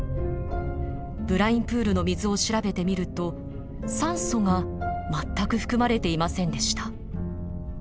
ブラインプールの水を調べてみると酸素が全く含まれていませんでした。